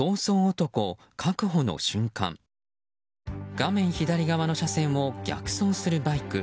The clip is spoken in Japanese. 画面左側の車線を逆走するバイク。